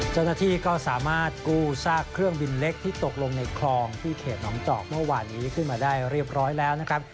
เจ้าหน้าที่ก็สามารถกู้ซากเครื่องบินเล็กที่ตกลงในคลองที่เขตหนองจอกเมื่อวานนี้ขึ้นมาได้เรียบร้อยแล้วนะครับ